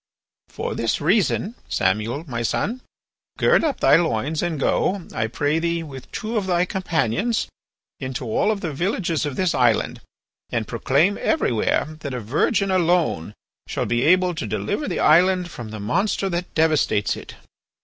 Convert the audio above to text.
"For this reason, Samuel my son, gird up thy loins and go, I pray thee, with two of thy companions, into all the villages of this island, and proclaim everywhere that a virgin alone shall be able to deliver the island from the monster that devastates it.